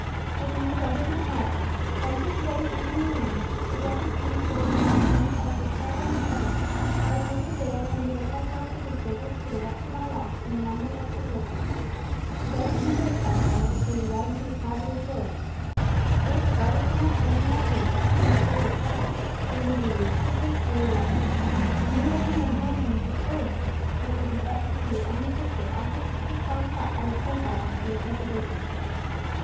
If you, brother of my heart, venture to day into the arena, and the blessed saint bear you unharmed out of the terrible encounter, I will take the veil, and devote myself to her service for the rest of my life in the nunnery of Cordova. Judge what you risk, Alcala, before you ride into the Plaza de Toros. If, regardless of my prayers and my tears, you keep your fatal appointment, you lose either your sister or your life. You may return unharmed and victorious, but it will be but to see your only sister offer herself up as a thank offering for your preservation.